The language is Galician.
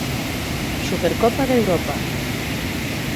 Supercopa de Europa.